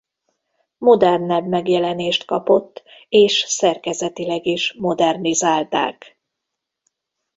Modernebb megjelenést kapott és szerkezetileg is modernizálták.